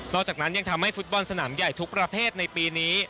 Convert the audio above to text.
จากนั้นยังทำให้ฟุตบอลสนามใหญ่ทุกประเภทในปีนี้